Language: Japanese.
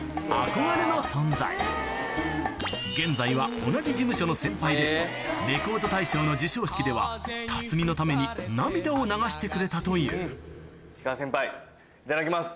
現在は同じ事務所の先輩でレコード大賞の授賞式では辰巳のために涙を流してくれたといういただきます。